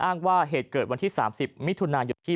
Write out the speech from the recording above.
อ้างว่าเหตุเกิดวันที่๓๐มิถุนายนที่